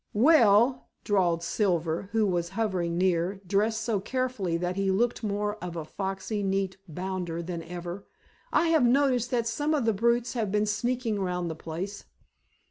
"Well," drawled Silver, who was hovering near, dressed so carefully that he looked more of a foxy, neat bounder than ever. "I have noticed that some of the brutes have been sneaking round the place."